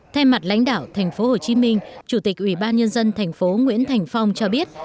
thay mặt lãnh đạo tp hcm chủ tịch ủy ban nhân dân tp nguyễn thành phong cho biết